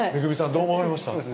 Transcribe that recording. どう思われました？